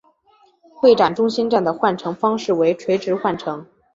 会展中心站的换乘方式为垂直换乘。